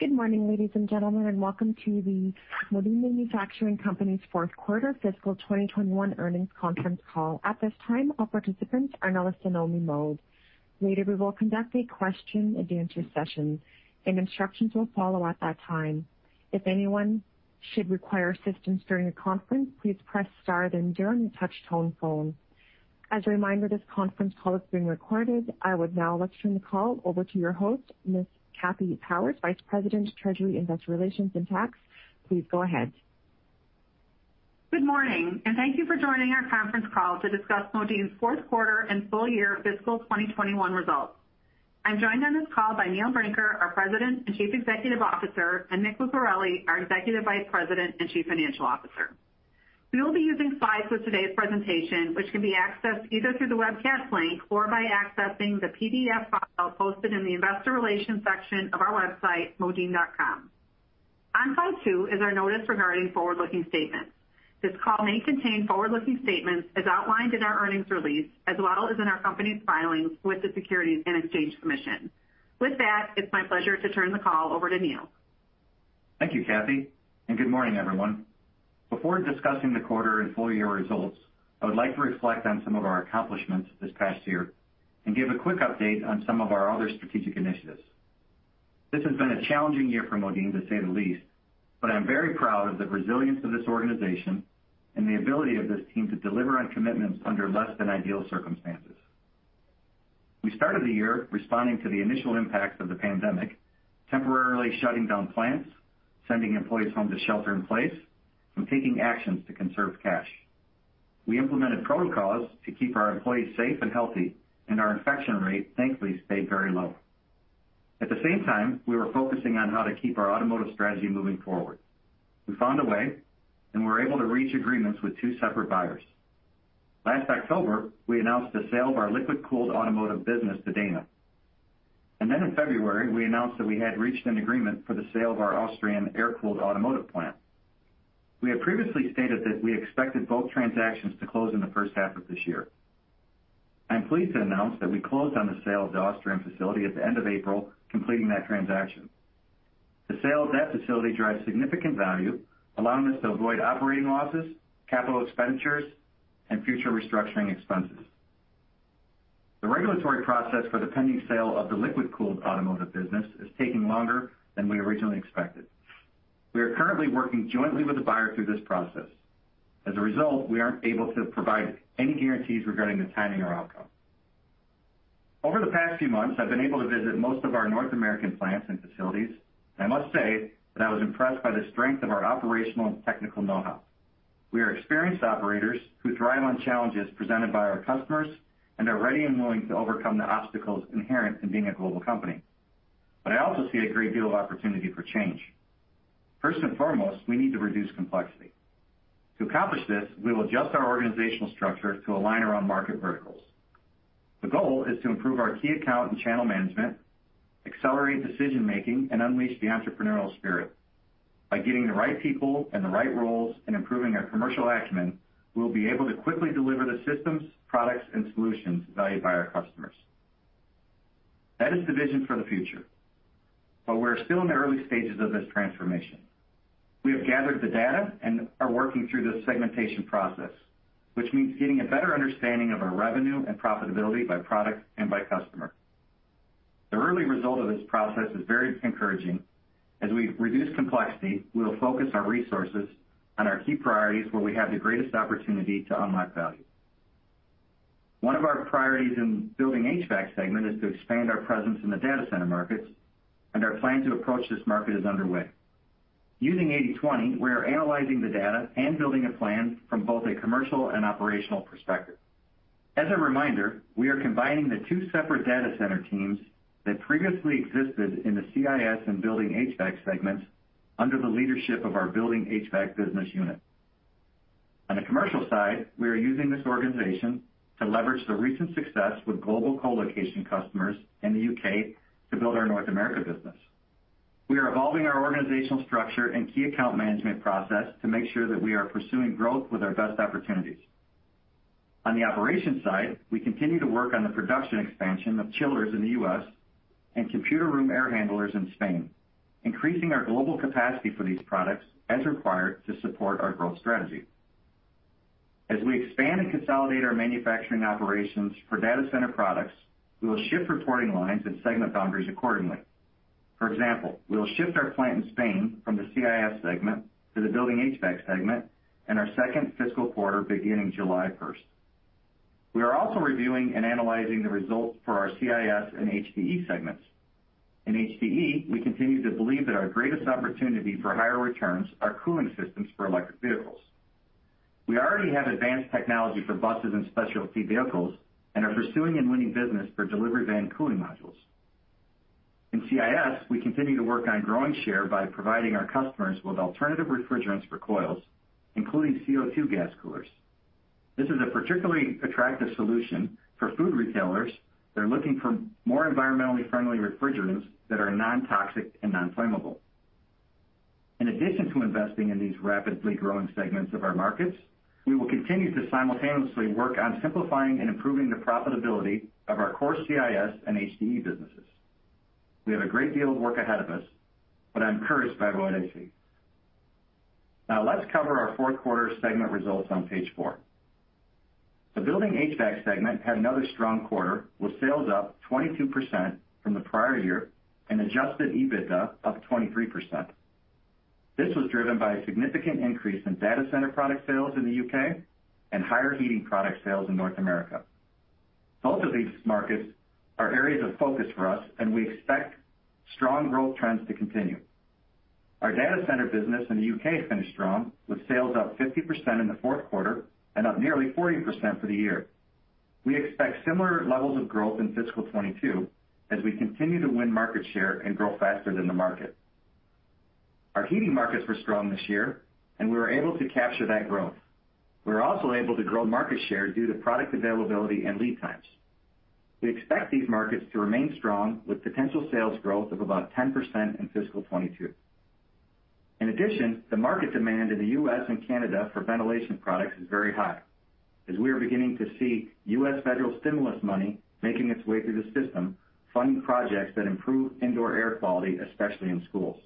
Good morning, ladies and gentlemen, and welcome to the Modine Manufacturing Company's fourth quarter fiscal 2021 earnings conference call. At this time, all participants are in a listen-only mode. Later, we will conduct a question-and-answer session. Instructions will follow at that time. If anyone should require assistance during the conference, please press star then zero on your touch-tone phone. As a reminder, this conference call is being recorded. I would now like to turn the call over to your host, Ms. Kathy Powers, Vice President, Treasurer, Investor Relations, and Tax. Please go ahead. Good morning. Thank you for joining our conference call to discuss Modine's fourth quarter and full year fiscal 2021 results. I'm joined on this call by Neil Brinker, our President and Chief Executive Officer, and Mick Lucareli, our Executive Vice President and Chief Financial Officer. We will be using slides for today's presentation, which can be accessed either through the webcast link or by accessing the PDF file posted in the investor relations section of our website, modine.com. On slide two is our notice regarding forward-looking statements. This call may contain forward-looking statements as outlined in our earnings release, as well as in our company's filings with the Securities and Exchange Commission. With that, it's my pleasure to turn the call over to Neil. Thank you, Kathy. Good morning, everyone. Before discussing the quarter and full-year results, I would like to reflect on some of our accomplishments this past year and give a quick update on some of our other strategic initiatives. This has been a challenging year for Modine, to say the least. I'm very proud of the resilience of this organization and the ability of this team to deliver on commitments under less than ideal circumstances. We started the year responding to the initial impact of the pandemic, temporarily shutting down plants, sending employees home to shelter in place, and taking actions to conserve cash. We implemented protocols to keep our employees safe and healthy. Our infection rate thankfully stayed very low. At the same time, we were focusing on how to keep our automotive strategy moving forward. We found a way and were able to reach agreements with two separate buyers. Last October, we announced the sale of our liquid-cooled automotive business to Dana, and then in February, we announced that we had reached an agreement for the sale of our Austrian air-cooled automotive plant. We had previously stated that we expected both transactions to close in the first half of this year. I'm pleased to announce that we closed on the sale of the Austrian facility at the end of April, completing that transaction. The sale of that facility drives significant value, allowing us to avoid operating losses, capital expenditures, and future restructuring expenses. The regulatory process for the pending sale of the liquid-cooled automotive business is taking longer than we originally expected. We are currently working jointly with the buyer through this process. As a result, we aren't able to provide any guarantees regarding the timing or outcome. Over the past few months, I've been able to visit most of our North American plants and facilities, and I must say that I was impressed by the strength of our operational and technical know-how. We are experienced operators who thrive on challenges presented by our customers and are ready and willing to overcome the obstacles inherent in being a global company. I also see a great deal of opportunity for change. First and foremost, we need to reduce complexity. To accomplish this, we will adjust our organizational structure to align around market verticals. The goal is to improve our key account and channel management, accelerate decision-making, and unleash the entrepreneurial spirit. By getting the right people in the right roles and improving our commercial acumen, we'll be able to quickly deliver the systems, products, and solutions valued by our customers. That is the vision for the future, but we are still in the early stages of this transformation. We have gathered the data and are working through the segmentation process, which means getting a better understanding of our revenue and profitability by product and by customer. The early result of this process is very encouraging. As we reduce complexity, we'll focus our resources on our key priorities where we have the greatest opportunity to unlock value. One of our priorities in building HVAC segment is to expand our presence in the data center markets, and our plan to approach this market is underway. Using 80/20, we are analyzing the data and building a plan from both a commercial and operational perspective. As a reminder, we are combining the two separate data center teams that previously existed in the CIS and building HVAC segment under the leadership of our building HVAC business unit. On the commercial side, we are using this organization to leverage the recent success with global colocation customers in the U.K. to build our North America business. We are evolving our organizational structure and key account management process to make sure that we are pursuing growth with our best opportunities. On the operations side, we continue to work on the production expansion of chillers in the U.S. and computer room air handlers in Spain, increasing our global capacity for these products as required to support our growth strategy. As we expand and consolidate our manufacturing operations for data center products, we will shift reporting lines and segment boundaries accordingly. For example, we will shift our plant in Spain from the CIS segment to the Building HVAC segment in our second fiscal quarter beginning July 1st. We are also reviewing and analyzing the results for our CIS and HDE segments. In HDE, we continue to believe that our greatest opportunity for higher returns are cooling systems for electric vehicles. We already have advanced technology for buses and specialty vehicles and are pursuing and winning business for delivery van cooling modules. In CIS, we continue to work on growing share by providing our customers with alternative refrigerants for coils, including CO2 gas coolers. This is a particularly attractive solution for food retailers that are looking for more environmentally friendly refrigerants that are non-toxic and non-flammable. In addition to investing in these rapidly growing segments of our markets, we will continue to simultaneously work on simplifying and improving the profitability of our core CIS and HDE businesses. We have a great deal of work ahead of us, but I'm encouraged by what I see. Let's cover our fourth quarter segment results on page four. The building HVAC segment had another strong quarter with sales up 22% from the prior year and adjusted EBITDA up 23%. This was driven by a significant increase in data center product sales in the U.K. and higher heating product sales in North America. Both of these markets are areas of focus for us, and we expect strong growth trends to continue. Our data center business in the U.K. finished strong, with sales up 50% in the fourth quarter and up nearly 40% for the year. We expect similar levels of growth in fiscal 2022 as we continue to win market share and grow faster than the market. Our heating markets were strong this year and we were able to capture that growth. We were also able to grow market share due to product availability and lead times. We expect these markets to remain strong, with potential sales growth of about 10% in fiscal 2022. In addition, the market demand in the U.S. and Canada for ventilation products is very high, as we are beginning to see U.S. federal stimulus money making its way through the system, funding projects that improve indoor air quality, especially in schools.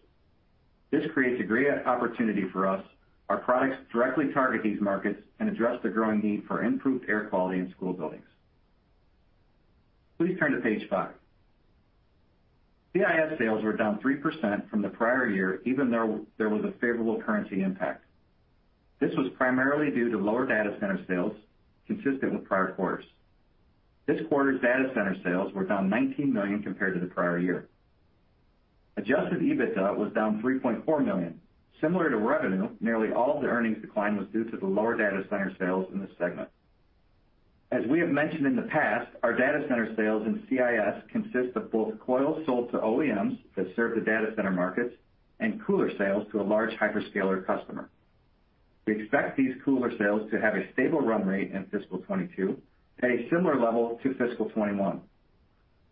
This creates a great opportunity for us. Our products directly target these markets and address the growing need for improved air quality in school buildings. Please turn to page five. CIS sales were down 3% from the prior year, even though there was a favorable currency impact. This was primarily due to lower data center sales consistent with prior quarters. This quarter's data center sales were down $19 million compared to the prior year. Adjusted EBITDA was down $3.4 million. Similar to revenue, nearly all of the earnings decline was due to the lower data center sales in this segment. As we have mentioned in the past, our data center sales in CIS consist of both coils sold to OEMs that serve the data center markets and cooler sales to a large hyperscaler customer. We expect these cooler sales to have a stable run rate in fiscal 2022 at a similar level to fiscal 2021.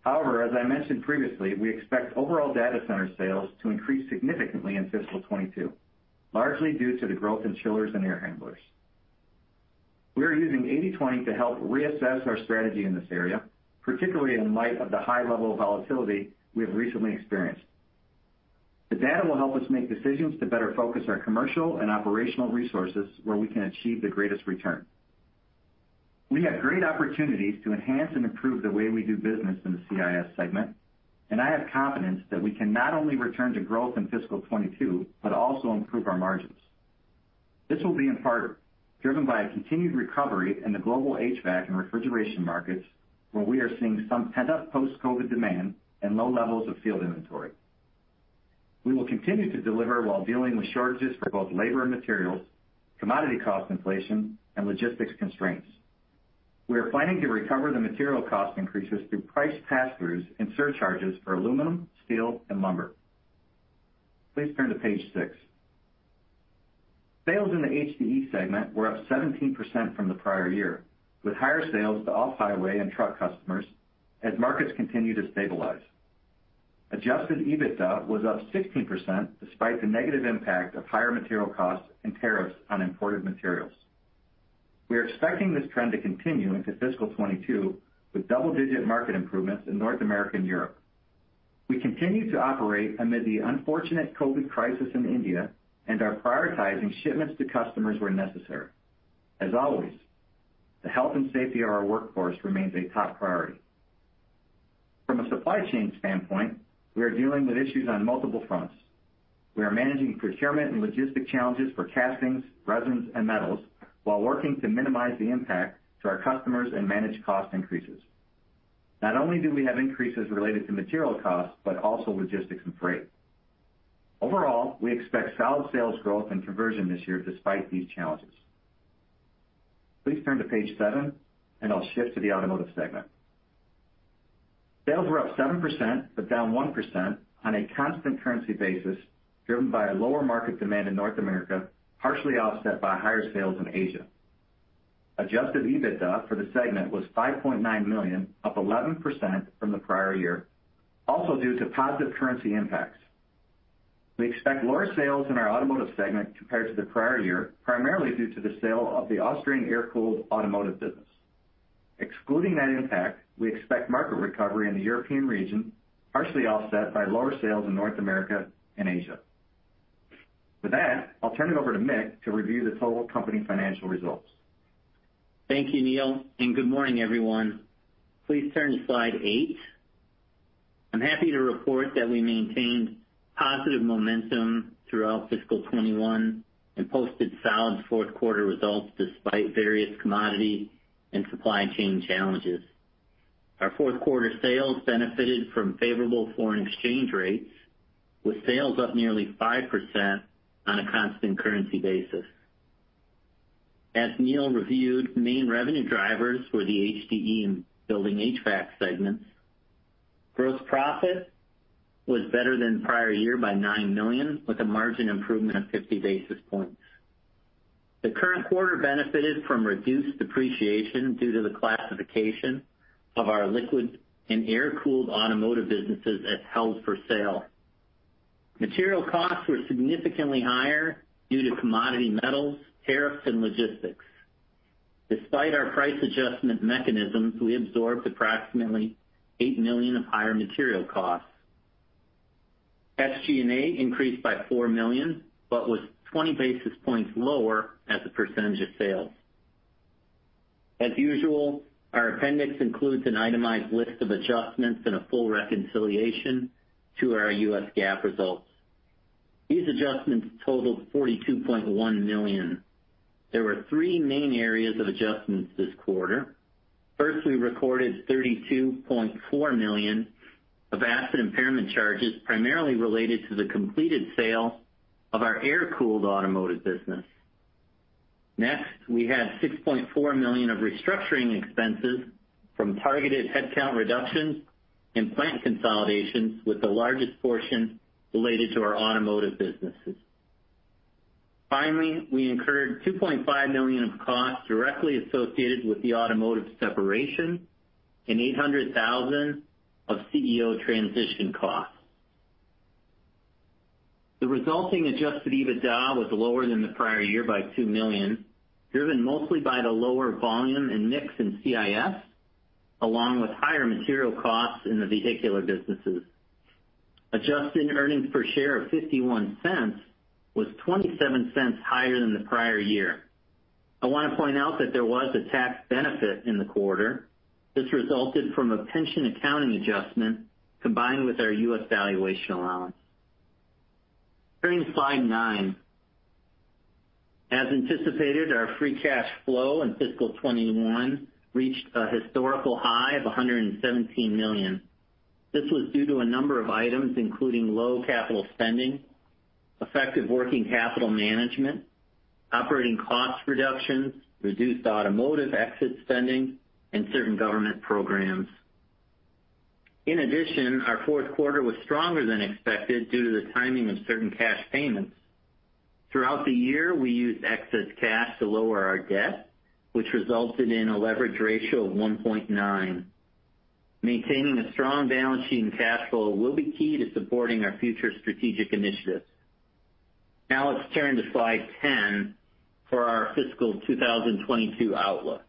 However, as I mentioned previously, we expect overall data center sales to increase significantly in fiscal 2022, largely due to the growth in chillers and air handlers. We are using 80/20 to help reassess our strategy in this area, particularly in light of the high level of volatility we have recently experienced. The data will help us make decisions to better focus our commercial and operational resources where we can achieve the greatest return. We have great opportunities to enhance and improve the way we do business in the CIS segment, and I have confidence that we can not only return to growth in fiscal 2022, but also improve our margins. This will be in part driven by a continued recovery in the global HVAC and refrigeration markets, where we are seeing some pent-up post-COVID demand and low levels of field inventory. We will continue to deliver while dealing with shortages for both labor and materials, commodity cost inflation, and logistics constraints. We are planning to recover the material cost increases through price pass-throughs and surcharges for aluminum, steel, and lumber. Please turn to page six. Sales in the HDE segment were up 17% from the prior year, with higher sales to off-highway and truck customers as markets continue to stabilize. Adjusted EBITDA was up 16%, despite the negative impact of higher material costs and tariffs on imported materials. We are expecting this trend to continue into fiscal 2022 with double-digit market improvements in North America and Europe. We continue to operate amid the unfortunate COVID crisis in India and are prioritizing shipments to customers where necessary. As always, the health and safety of our workforce remains a top priority. From a supply chain standpoint, we are dealing with issues on multiple fronts. We are managing procurement and logistics challenges for castings, resins, and metals while working to minimize the impact to our customers and manage cost increases. Not only do we have increases related to material costs, but also logistics and freight. Overall, we expect solid sales growth and conversion this year despite these challenges. Please turn to page seven, I'll shift to the automotive segment. Sales were up 7% but down 1% on a constant currency basis, driven by a lower market demand in North America, partially offset by higher sales in Asia. Adjusted EBITDA for the segment was $5.9 million, up 11% from the prior year, also due to positive currency impacts. We expect lower sales in our automotive segment compared to the prior year, primarily due to the sale of the Austrian air-cooled automotive business. Excluding that impact, we expect market recovery in the European region, partially offset by lower sales in North America and Asia. With that, I'll turn it over to Mick to review the total company financial results. Thank you, Neil, and good morning, everyone. Please turn to slide eight. I'm happy to report that we maintained positive momentum throughout fiscal 2021 and posted solid fourth quarter results despite various commodity and supply chain challenges. Our fourth quarter sales benefited from favorable foreign exchange rates, with sales up nearly 5% on a constant currency basis. As Neil reviewed, main revenue drivers were the HDE and building HVAC segments. Gross profit was better than prior year by $9 million, with a margin improvement of 50 basis points. The current quarter benefited from reduced depreciation due to the classification of our liquid and air-cooled automotive businesses as held for sale. Material costs were significantly higher due to commodity metals, tariffs, and logistics. Despite our price adjustment mechanisms, we absorbed approximately $8 million of higher material costs. SG&A increased by $4 million, but was 20 basis points lower as a percentage of sales. As usual, our appendix includes an itemized list of adjustments and a full reconciliation to our U.S. GAAP results. These adjustments totaled $42.1 million. There were three main areas of adjustments this quarter. First, we recorded $32.4 million of asset impairment charges, primarily related to the completed sale of our air-cooled automotive business. Next, we had $6.4 million of restructuring expenses from targeted headcount reductions and plant consolidations, with the largest portion related to our automotive businesses. Finally, we incurred $2.5 million of costs directly associated with the automotive separation and $800,000 of CEO transition costs. The resulting adjusted EBITDA was lower than the prior year by $2 million, driven mostly by the lower volume and mix in CIS, along with higher material costs in the vehicular businesses. Adjusted earnings per share of $0.51 was $0.27 higher than the prior year. I want to point out that there was a tax benefit in the quarter. This resulted from a pension accounting adjustment combined with our U.S. valuation allowance. Turning to slide nine. As anticipated, our free cash flow in fiscal 2021 reached a historical high of $117 million. This was due to a number of items, including low capital spending, effective working capital management, operating cost reductions, reduced automotive exit spending, and certain government programs. In addition, our fourth quarter was stronger than expected due to the timing of certain cash payments. Throughout the year, we used excess cash to lower our debt, which resulted in a leverage ratio of 1.9. Maintaining a strong balance sheet and cash flow will be key to supporting our future strategic initiatives. Let's turn to slide 10 for our fiscal 2022 outlook.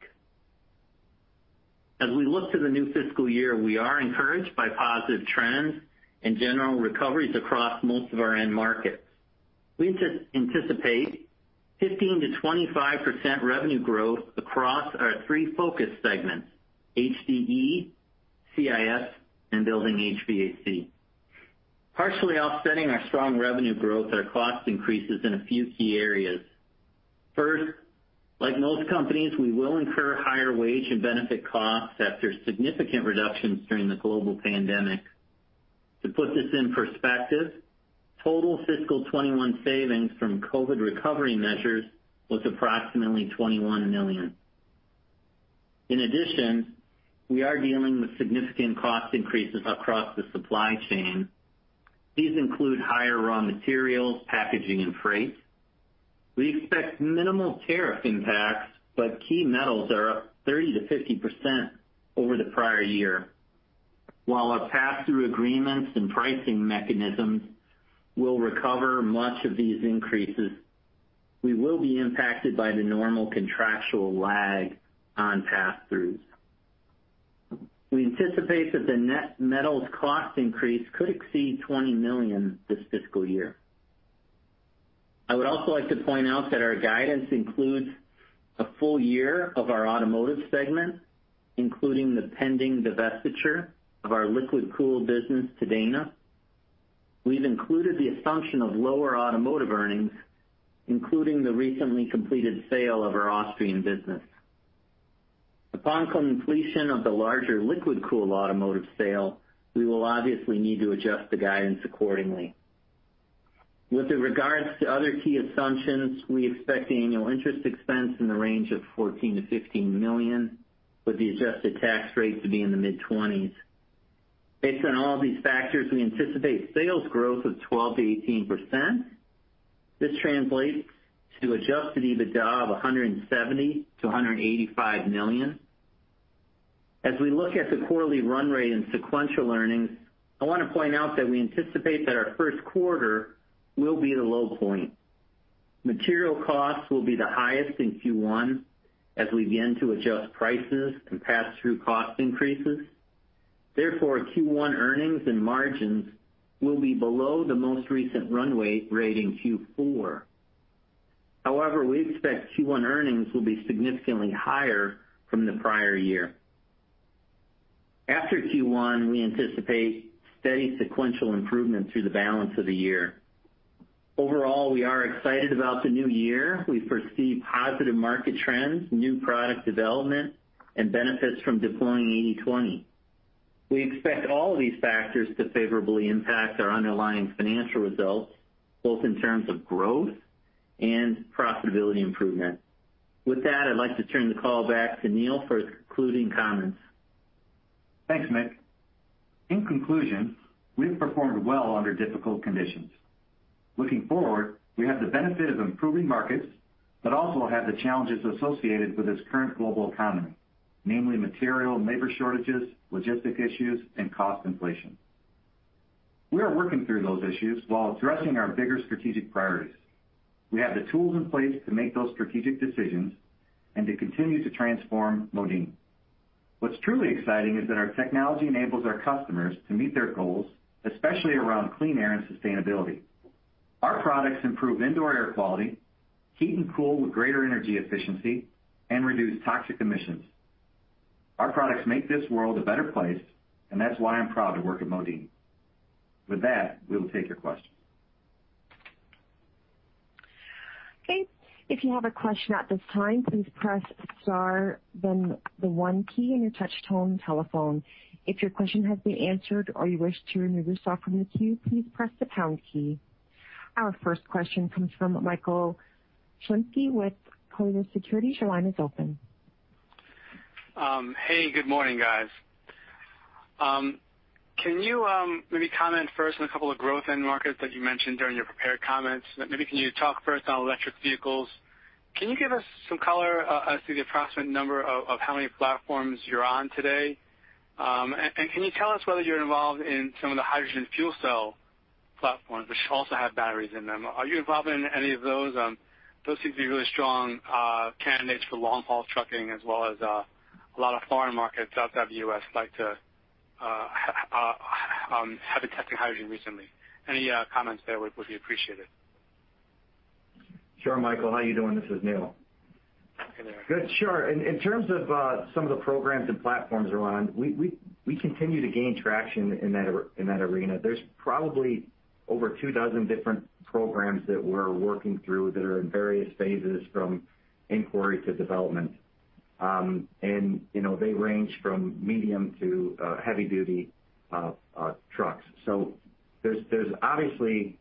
As we look to the new fiscal year, we are encouraged by positive trends and general recoveries across most of our end markets. We anticipate 15%-25% revenue growth across our three focus segments, HDE, CIS, and building HVAC. Partially offsetting our strong revenue growth are cost increases in a few key areas. First, like most companies, we will incur higher wage and benefit costs after significant reductions during the global pandemic. To put this in perspective, total fiscal 2021 savings from COVID recovery measures was approximately $21 million. In addition, we are dealing with significant cost increases across the supply chain. These include higher raw materials, packaging, and freight. We expect minimal tariff impacts, but key metals are up 30%-50% over the prior year. While our pass-through agreements and pricing mechanisms will recover much of these increases, we will be impacted by the normal contractual lag on pass-throughs. We anticipate that the net metals cost increase could exceed $20 million this fiscal year. I would also like to point out that our guidance includes a full year of our automotive segment, including the pending divestiture of our liquid cooled business to Dana. We've included the assumption of lower automotive earnings, including the recently completed sale of our Austrian business. Upon completion of the larger liquid cooled automotive sale, we will obviously need to adjust the guidance accordingly. With regards to other key assumptions, we expect annual interest expense in the range of $14 million-$16 million, with the adjusted tax rate to be in the mid-20s. Based on all these factors, we anticipate sales growth of 12%-18%. This translates to adjusted EBITDA of $170 million-$185 million. As we look at the quarterly run rate and sequential earnings, I want to point out that we anticipate that our first quarter will be the low point. Material costs will be the highest in Q1 as we begin to adjust prices to pass through cost increases. Q1 earnings and margins will be below the most recent run rate in Q4. We expect Q1 earnings will be significantly higher from the prior year. After Q1, we anticipate steady sequential improvement through the balance of the year. Overall, we are excited about the new year. We foresee positive market trends, new product development, and benefits from deploying 80/20. We expect all these factors to favorably impact our underlying financial results, both in terms of growth and profitability improvement. With that, I'd like to turn the call back to Neil for his concluding comments. Thanks, Mick. In conclusion, we've performed well under difficult conditions. Looking forward, we have the benefit of improving markets, but also have the challenges associated with this current global economy, namely material and labor shortages, logistic issues, and cost inflation. We are working through those issues while addressing our bigger strategic priorities. We have the tools in place to make those strategic decisions and to continue to transform Modine. What's truly exciting is that our technology enables our customers to meet their goals, especially around clean air and sustainability. Our products improve indoor air quality, heat and cool with greater energy efficiency, and reduce toxic emissions. Our products make this world a better place, and that's why I'm proud to work at Modine. With that, we will take your questions. Okay, if you have a question at this time, please press star then the one key on your touch-tone telephone. If your question has been answered or you wish to remove yourself from the queue, please press the pound key. Our first question comes from Michael Shlisky with Colliers Securities. Your line is open. Hey, good morning, guys. Can you maybe comment first on a couple of growth end markets that you mentioned during your prepared comments? Maybe can you talk first on electric vehicles? Can you give us some color as to the approximate number of how many platforms you're on today? Can you tell us whether you're involved in some of the hydrogen fuel cell platforms, which also have batteries in them? Are you involved in any of those? Those seem to be really strong candidates for long-haul trucking as well as a lot of foreign markets outside the U.S. have been testing hydrogen recently. Any comments there would be appreciated. Sure, Michael, how you doing? This is Neil. Hey there. Sure. In terms of some of the programs and platforms we're on, we continue to gain traction in that arena. There's probably over 2 doz different programs that we're working through that are in various stages from inquiry to development. They range from medium to heavy-duty trucks. There's obviously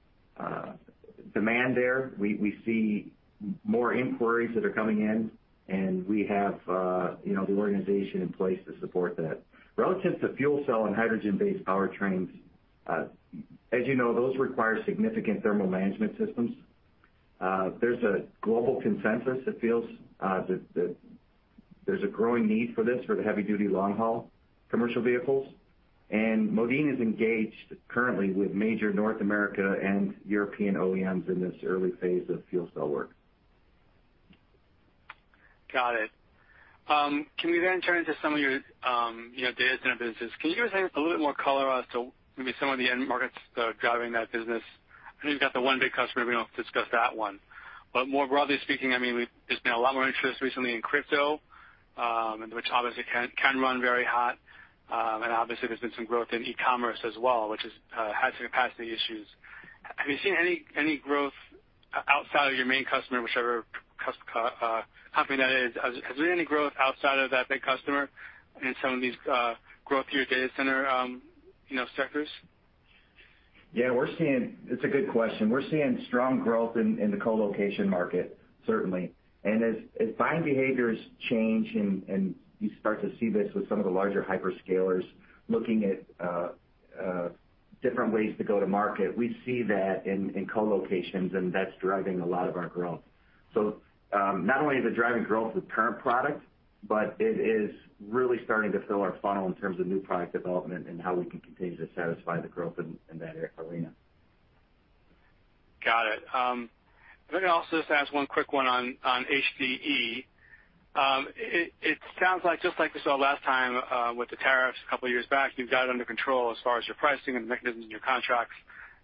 demand there. We see more inquiries that are coming in, and we have the organization in place to support that. Relative to fuel cell and hydrogen-based powertrains, as you know, those require significant thermal management systems. There's a global consensus that feels that there's a growing need for this for heavy-duty, long-haul commercial vehicles. Modine is engaged currently with major North America and European OEMs in this early phase of fuel cell work. Got it. Can we turn to some of your data center business? Can you give us a little bit more color as to maybe some of the end markets that are driving that business? I know you've got the one big customer. We don't have to discuss that one. More broadly speaking, there's been a lot more interest recently in crypto, which obviously can run very hot. Obviously there's been some growth in e-commerce as well, which has capacity issues. Have you seen any growth outside of your main customer, whichever company that is? Has there been any growth outside of that big customer in some of these growthier data center sectors? Yeah, it's a good question. We're seeing strong growth in the colocation market, certainly. As buying behaviors change, and you start to see this with some of the larger hyperscalers looking at different ways to go to market, we see that in colocation, and that's driving a lot of our growth. Not only is it driving growth with current products, but it is really starting to fill our funnel in terms of new product development and how we can continue to satisfy the growth in that arena. Got it. Let me also just ask one quick one on HDE. It sounds like just like you saw last time with the tariffs a couple of years back, you've got it under control as far as your pricing and mechanisms in your contracts.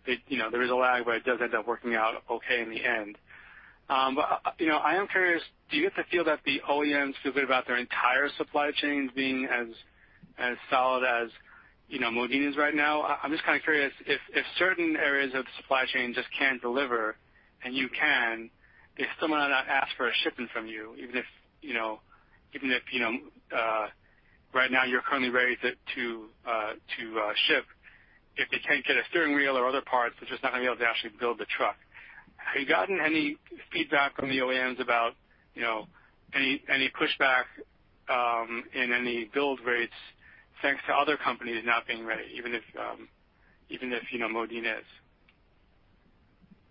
There is a lag, but it does end up working out okay in the end. I am curious, do you get the feel that the OEMs feel good about their entire supply chains being as solid as Modine is right now? I'm just kind of curious if certain areas of the supply chain just can't deliver and you can, is someone going to ask for a shipment from you, even if right now you're currently ready to ship. If they can't get a steering wheel or other parts, they're just not going to be able to actually build a truck. Have you gotten any feedback from the OEMs about any pushback in any build rates thanks to other companies not being ready, even if Modine is?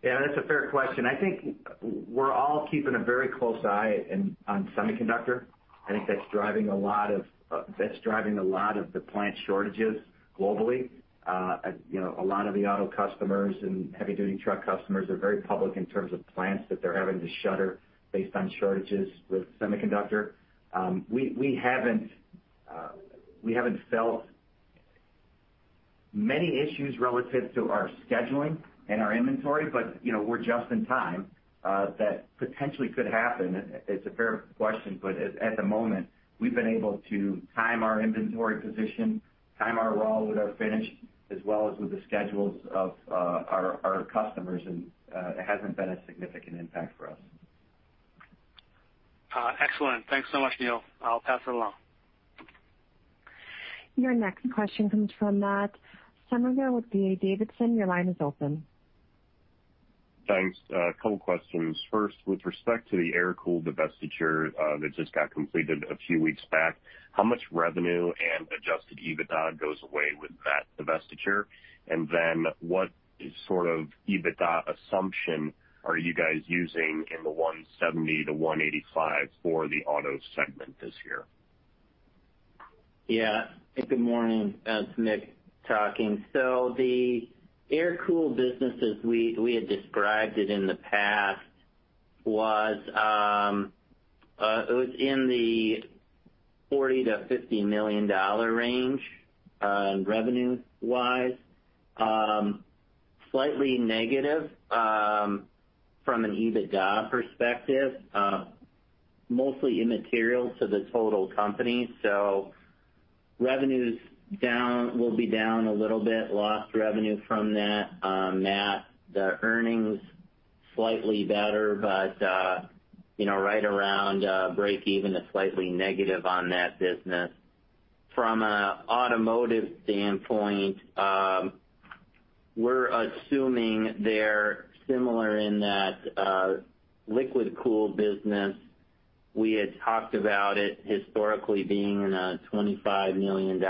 Yeah, that's a fair question. I think we're all keeping a very close eye on semiconductor. I think that's driving a lot of the plant shortages globally. A lot of the auto customers and heavy-duty truck customers are very public in terms of plants that they're having to shutter based on shortages with semiconductor. We haven't felt many issues relative to our scheduling and our inventory, but we're just in time. That potentially could happen. It's a fair question, but at the moment, we've been able to time our inventory position, time our raw with our finish, as well as with the schedules of our customers, and it hasn't been a significant impact for us. Excellent. Thanks so much, Neil. I will pass it along. Your next question comes from Matt Summerville with D.A. Davidson. Your line is open. Thanks. A couple questions. First, with respect to the air-cooled divestiture that just got completed a few weeks back, how much revenue and adjusted EBITDA goes away with that divestiture? What sort of EBITDA assumption are you guys using in the $170 million-$185 million for the auto segment this year? Yeah. Good morning. It's Mick talking. The air-cooled businesses, we had described it in the past, it was in the $40 million-$50 million range revenue-wise. Slightly negative from an EBITDA perspective. Mostly immaterial to the total company. Revenues will be down a little bit, lost revenue from that, Matt. The earnings, slightly better, but right around breakeven to slightly negative on that business. From an automotive standpoint, we're assuming they're similar in that liquid-cooled business, we had talked about it historically being in a $25 million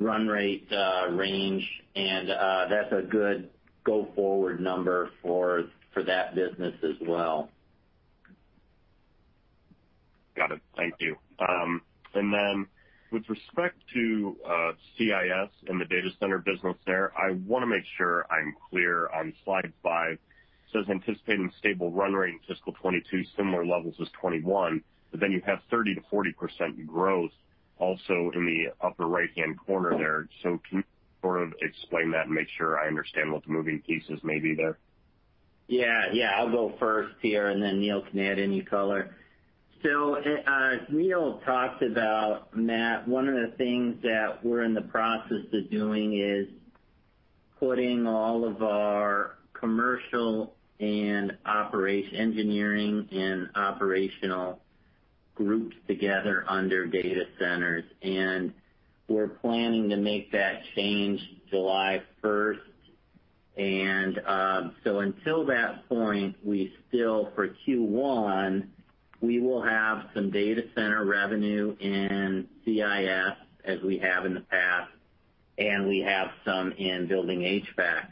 run rate range, and that's a good go forward number for that business as well. Got it. Thank you. With respect to CIS and the data center business there, I want to make sure I'm clear on slide five. It says anticipating stable run rate in fiscal 2022, similar levels as 2021, but then you have 30%-40% growth also in the upper right-hand corner there. Can you sort of explain that and make sure I understand what the moving pieces may be there? Yeah. I'll go first here, and then Neil can add any color. As Neil talked about, Matt, one of the things that we're in the process of doing is putting all of our commercial and engineering and operational groups together under data centers, and we're planning to make that change July 1st. Until that point, we still, for Q1, we will have some data center revenue in CIS as we have in the past, and we have some in building HVAC.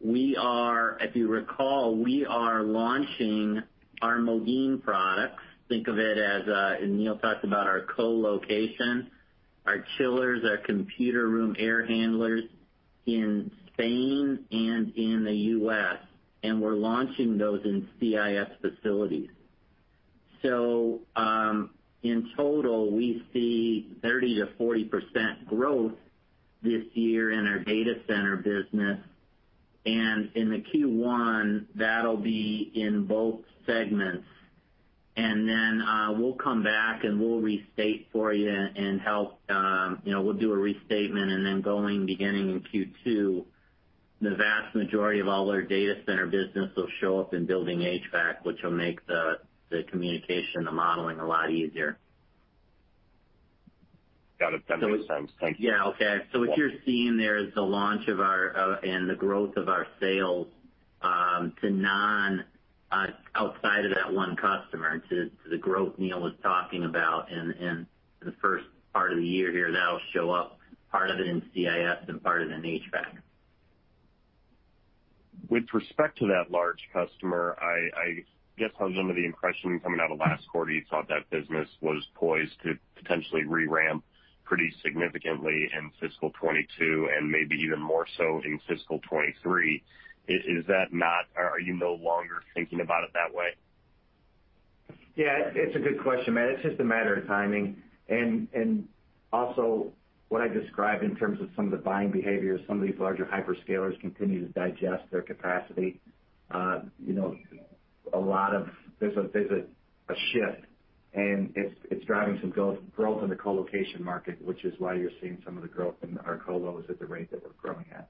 If you recall, we are launching our Modine products. Think of it as, and Neil talked about our colocation, our chillers, our computer room air handlers in Spain and in the U.S., and we're launching those in CIS facilities. In total, we see 30%-40% growth this year in our data center business. In the Q1, that'll be in both segments. We'll come back, and we'll restate for you and help. We'll do a restatement, and then going beginning in Q2, the vast majority of all our data center business will show up in building HVAC, which will make the communication, the modeling a lot easier. Got it. That makes sense. Thank you. Yeah. Okay. What you're seeing there is the launch and the growth of our sales outside of that one customer to the growth Neil was talking about in the first part of the year here, that'll show up part of it in CIS and part of it in HVAC. With respect to that large customer, I guess I was under the impression coming out of last quarter, you thought that business was poised to potentially re-ramp pretty significantly in fiscal 2022 and maybe even more so in fiscal 2023. Are you no longer thinking about it that way? Yeah, it's a good question, Matt. It's just a matter of timing. Also what I described in terms of some of the buying behavior, some of these larger hyperscalers continue to digest their capacity. There's a shift, and it's driving some growth in the colocation market, which is why you're seeing some of the growth in our co-los at the rate that we're growing at.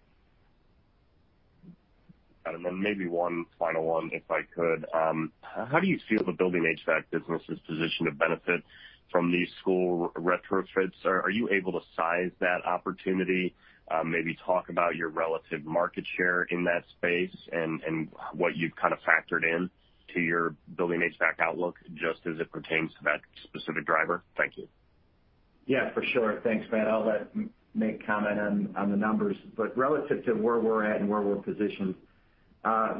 Got it. Then maybe one final one if I could. How do you feel the building HVAC business is positioned to benefit from these school retrofits? Are you able to size that opportunity? Maybe talk about your relative market share in that space and what you've kind of factored in to your building HVAC outlook just as it pertains to that specific driver. Thank you. Yeah, for sure. Thanks, Matt. I'll let Mick comment on the numbers. Relative to where we're at and where we're positioned,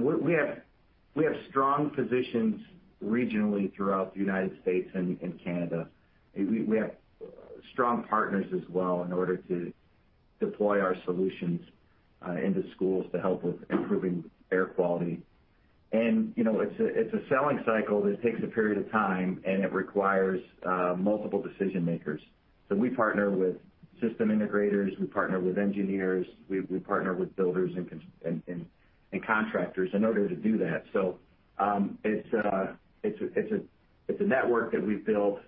we have strong positions regionally throughout the United States and Canada. We have strong partners as well in order to deploy our solutions into schools to help with improving air quality. It's a selling cycle that takes a period of time, and it requires multiple decision-makers. We partner with system integrators, we partner with engineers, we partner with builders and contractors in order to do that. It's a network that we've built.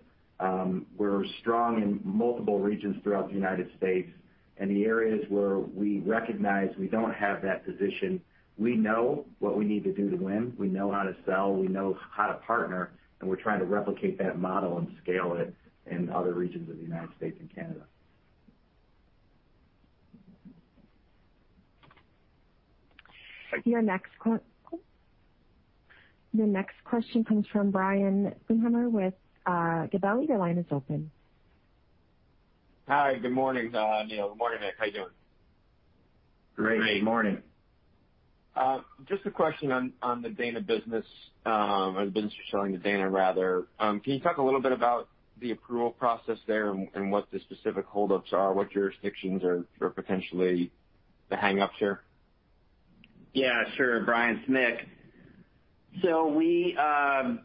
We're strong in multiple regions throughout the United States, and the areas where we recognize we don't have that position, we know what we need to do to win. We know how to sell, we know how to partner, and we're trying to replicate that model and scale it in other regions of the United States and Canada. Your next question comes from Brian Sponheimer with Gabelli. Your line is open. Hi. Good morning, Neil. Good morning, Mick. How you doing? Great, good morning. Just a question on the Dana business, or the business you're selling to Dana, rather. Can you talk a little bit about the approval process there and what the specific hold-ups are, what jurisdictions are potentially the hang-ups here? Yeah, sure. Brian, it's Mick. We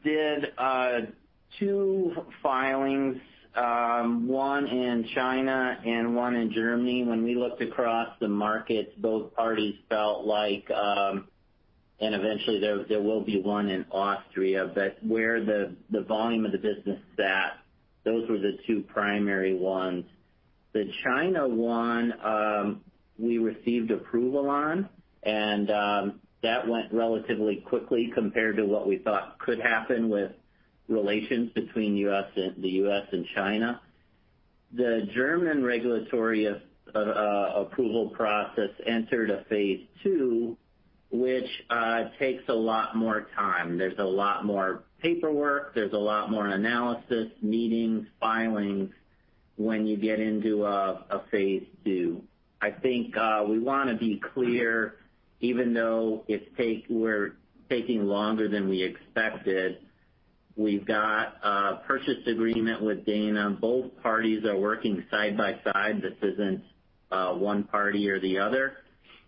did two filings, one in China and one in Germany. When we looked across the markets, both parties felt like, and eventually there will be one in Austria, but where the volume of the business sat, those were the two primary ones. The China one, we received approval on, and that went relatively quickly compared to what we thought could happen with relations between the U.S. and China. The German regulatory approval process entered a Phase 2, which takes a lot more time. There's a lot more paperwork, there's a lot more analysis, meetings, filings, when you get into a Phase 2. I think we want to be clear, even though we're taking longer than we expected, we've got a purchase agreement with Dana. Both parties are working side by side. This isn't one party or the other.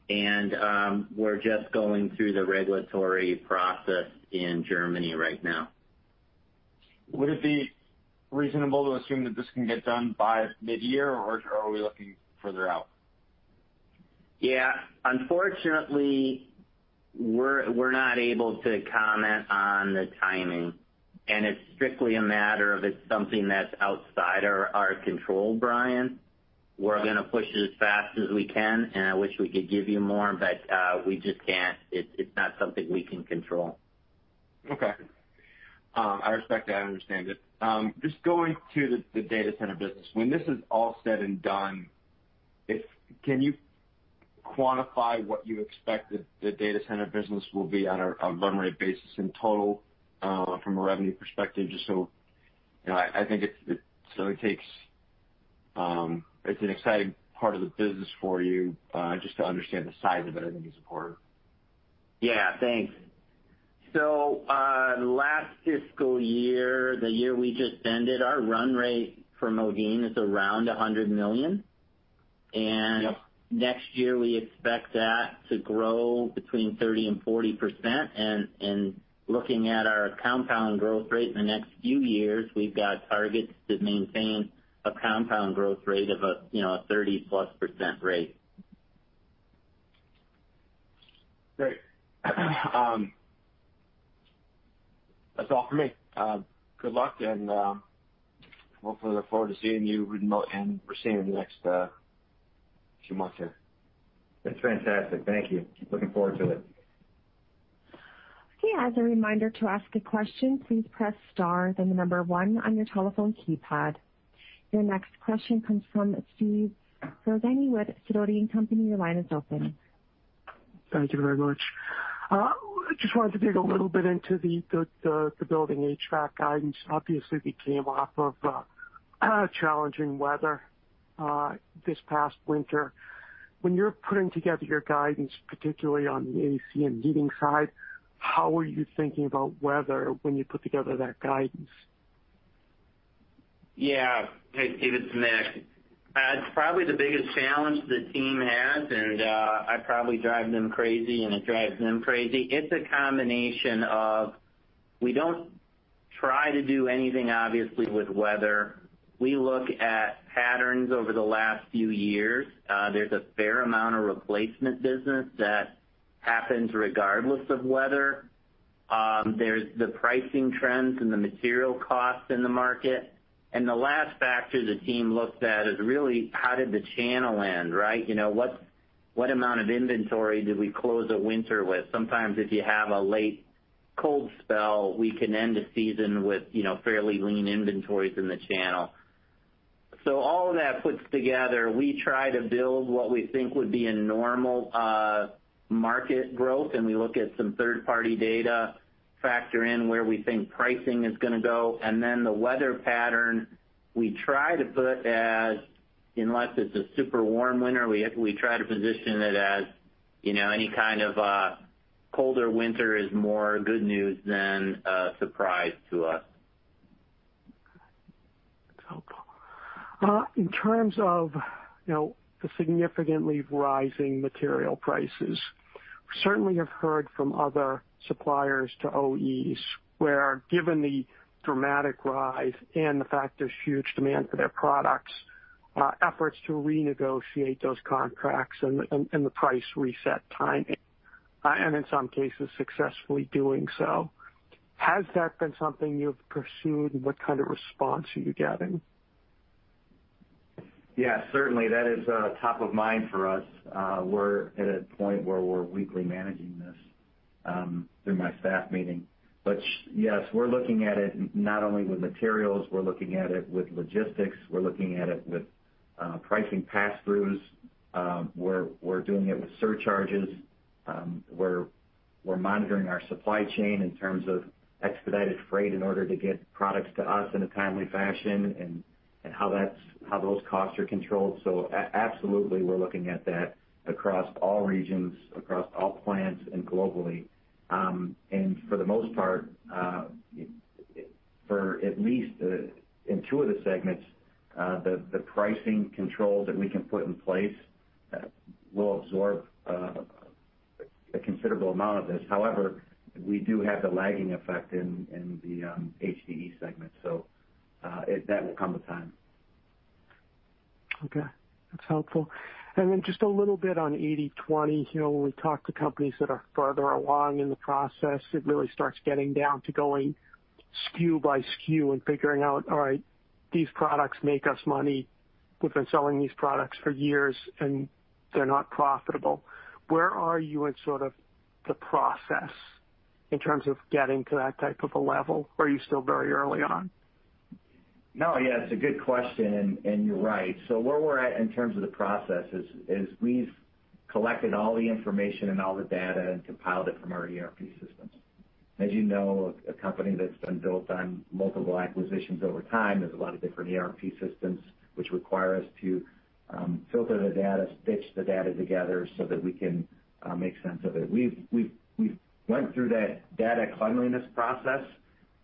We're just going through the regulatory process in Germany right now. Would it be reasonable to assume that this can get done by mid-year, or are we looking further out? Yeah. Unfortunately, we're not able to comment on the timing, and it's strictly a matter of it's something that's outside our control, Brian. We're going to push it as fast as we can, and I wish we could give you more, but we just can't. It's not something we can control. Okay. I respect that. I understand it. Just going to the data center business, when this is all said and done, can you quantify what you expect the data center business will be on a run rate basis in total from a revenue perspective? It's an exciting part of the business for you, just to understand the size of it, I think is important. Yeah. Thanks. Last fiscal year, the year we just ended, our run rate for Modine is around $100 million. Yep. Next year, we expect that to grow between 30% and 40%. Looking at our compound growth rate in the next few years, we've got targets to maintain a compound growth rate of a 30%+ rate. Great. That's all for me. Good luck, and hopefully look forward to seeing you in the next few months here. That's fantastic. Thank you. Looking forward to it. Okay. As a reminder, to ask a question, please press star then the number one on your telephone keypad. Your next question comes from Steve Ferazani with Sidoti & Company. Your line is open. Thank you very much. I just wanted to dig a little bit into the building HVAC guidance. Obviously, we came off of challenging weather this past winter. When you're putting together your guidance, particularly on the AC and heating side, how are you thinking about weather when you put together that guidance? Hey, Steve, it's Mick. It's probably the biggest challenge the team has, and I probably drive them crazy, and it drives them crazy. It's a combination of, we don't try to do anything, obviously, with weather. We look at patterns over the last few years. There's a fair amount of replacement business that happens regardless of weather. There's the pricing trends and the material costs in the market. The last factor the team looks at is really how did the channel end, right? What amount of inventory did we close a winter with? Sometimes if you have a late cold spell, we can end a season with fairly lean inventories in the channel. All of that puts together, we try to build what we think would be a normal market growth, and we look at some third-party data, factor in where we think pricing is going to go. The weather pattern, we try to put as, unless it's a super warm winter, we try to position it as any kind of a colder winter is more good news than a surprise to us. That's helpful. In terms of the significantly rising material prices, certainly have heard from other suppliers to OEs where, given the dramatic rise and the fact there's huge demand for their products, efforts to renegotiate those contracts and the price reset timing, and in some cases successfully doing so. Has that been something you've pursued, and what kind of response are you getting? Certainly. That is top of mind for us. We're at a point where we're weekly managing this Through my staff meeting. Yes, we're looking at it not only with materials, we're looking at it with logistics, we're looking at it with pricing pass-throughs. We're doing it with surcharges. We're monitoring our supply chain in terms of expedited freight in order to get products to us in a timely fashion and how those costs are controlled. Absolutely, we're looking at that across all regions, across all plants, and globally. For the most part, for at least in two of the segments, the pricing controls that we can put in place will absorb a considerable amount of this. However, we do have the lagging effect in the HDE segment, so that will come with time. Okay. That's helpful. Just a little bit on 80/20. When we talk to companies that are further along in the process, it really starts getting down to going SKU by SKU and figuring out, all right, these products make us money. We've been selling these products for years and they're not profitable. Where are you in sort of the process in terms of getting to that type of a level? Are you still very early on? No, yeah, it's a good question. You're right. Where we're at in terms of the process is we've collected all the information and all the data and compiled it from our ERP systems. As you know, a company that's been built on multiple acquisitions over time, there's a lot of different ERP systems which require us to filter the data, stitch the data together so that we can make sense of it. We've went through that data cleanliness process.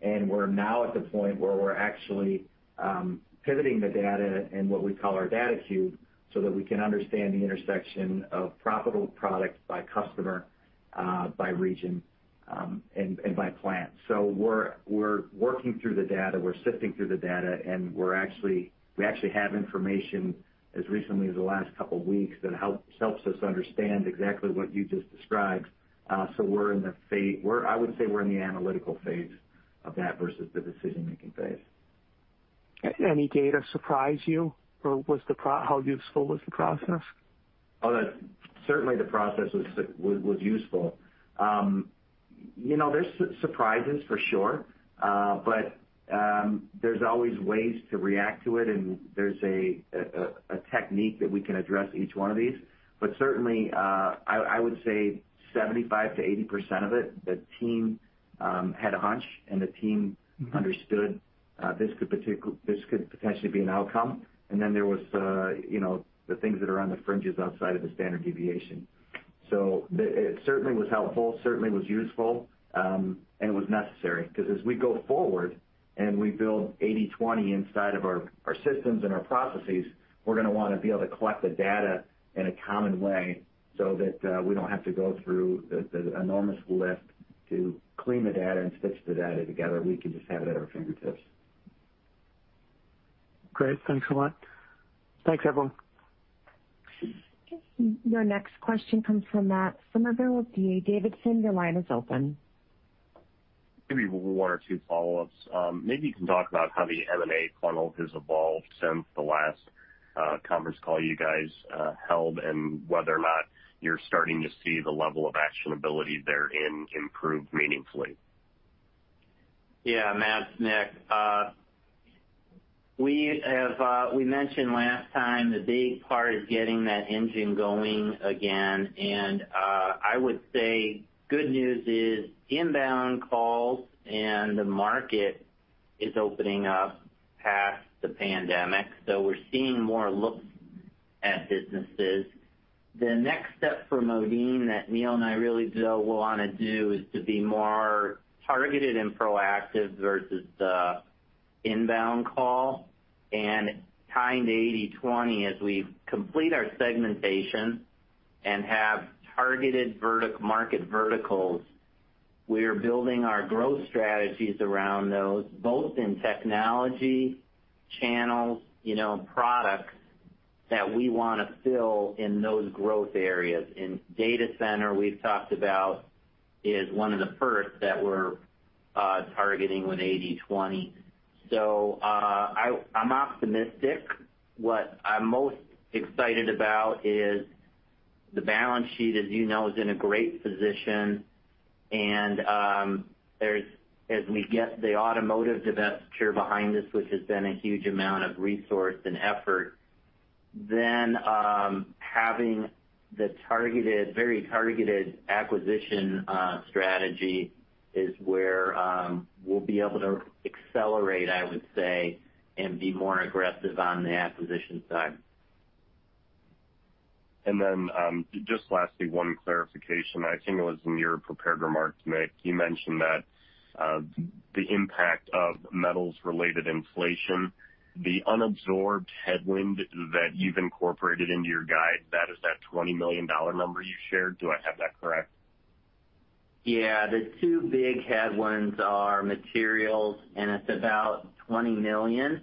We're now at the point where we're actually pivoting the data in what we call our data cube, so that we can understand the intersection of profitable products by customer, by region, and by plant. We're working through the data, we're sifting through the data. We actually have information as recently as the last couple of weeks that helps us understand exactly what you just described. I would say we're in the analytical phase of that versus the decision-making phase. Any data surprise you, or how useful was the process? Certainly the process was useful. There's surprises for sure. There's always ways to react to it, and there's a technique that we can address each one of these. Certainly, I would say 75%-80% of it, the team had a hunch, and the team understood this could potentially be an outcome. There was the things that are on the fringes outside of the standard deviation. It certainly was helpful, certainly was useful. It was necessary because as we go forward and we build 80/20 inside of our systems and our processes, we're going to want to be able to collect the data in a common way so that we don't have to go through the enormous lift to clean the data and stitch the data together. We can just have it at our fingertips. Great. Thanks a lot. Thanks, everyone. Your next question comes from Matt Summerville with D.A. Davidson. Your line is open. Maybe one or two follow-ups. Maybe you can talk about how the M&A funnel has evolved since the last conference call you guys held, and whether or not you're starting to see the level of actionability therein improve meaningfully. Yeah. Matt, it's Mick. We mentioned last time the big part is getting that engine going again. I would say good news is inbound calls and the market is opening up past the pandemic. We're seeing more looks at businesses. The next step for Modine that Neil and I really want to do is to be more targeted and proactive versus the inbound call and tying to 80/20 as we complete our segmentation and have targeted market verticals. We are building our growth strategies around those, both in technology channels, products that we want to fill in those growth areas. In data center, we've talked about is one of the first that we're targeting with 80/20. I'm optimistic. What I'm most excited about is the balance sheet, as you know, is in a great position, and as we get the automotive divestiture behind us, which has been a huge amount of resource and effort, then having the very targeted acquisition strategy is where we'll be able to accelerate, I would say, and be more aggressive on the acquisition side. Just lastly, one clarification. I think it was in your prepared remarks, Mick, you mentioned that the impact of metals-related inflation, the unabsorbed headwind that you've incorporated into your guide, that is that $20 million number you shared. Do I have that correct? The two big headwinds are materials, and it's about $20 million.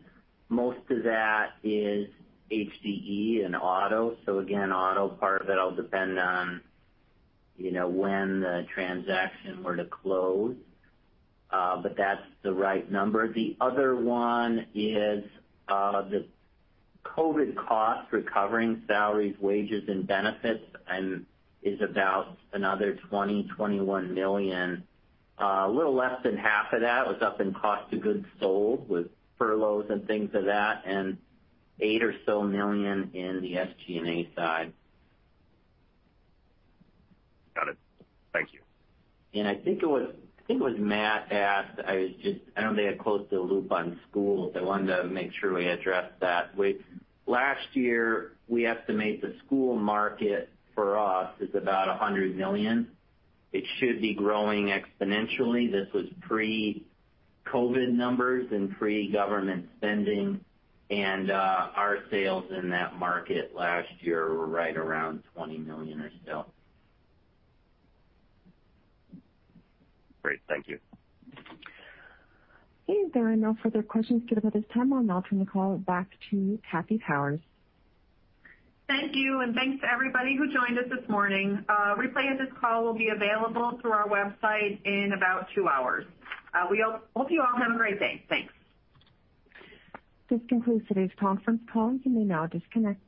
Most of that is HDE and auto. Again, auto part of it'll depend on when the transaction were to close. That's the right number. The other one is the COVID cost, recovering salaries, wages, and benefits, and is about another $20 million-$21 million. A little less than half of that was up in cost of goods sold with furloughs and things of that, and $8 million or so in the SG&A side. Got it. Thank you. I think it was Matt asked, I don't think I closed the loop on schools. I wanted to make sure we addressed that. Last year, we estimate the school market for us is about $100 million. It should be growing exponentially. This was pre-COVID numbers and pre-government spending. Our sales in that market last year were right around $20 million or so. Great. Thank you. Okay, there are no further questions queued up at this time. I'll now turn the call back to Kathy Powers. Thank you, thanks to everybody who joined us this morning. A replay of this call will be available through our website in about two hours. We hope you all have a great day. Thanks. This concludes today's conference call. You may now disconnect.